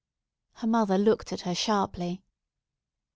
Her mother looked at her sharply.